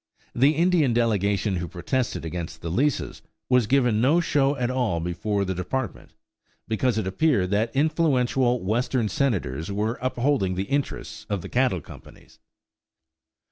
The Indian delegation who protested against the leases was given no show at all before the Department, because it appeared that influential Western Senators were upholding the interests of the cattle companies.